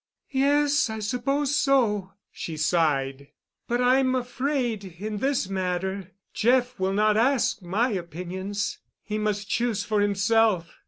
"Yes, I suppose so," she sighed. "But I'm afraid in this matter Jeff will not ask my opinions—he must choose for himself.